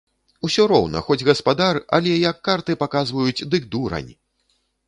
Усё роўна, хоць гаспадар, але, як карты паказваюць, дык дурань!